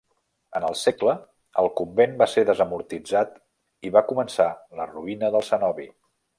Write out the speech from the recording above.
En el segle el convent va ser desamortitzat i va començar la ruïna del cenobi.